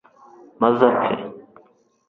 maze apfe